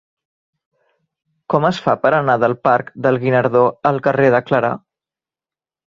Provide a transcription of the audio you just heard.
Com es fa per anar del parc del Guinardó al carrer de Clarà?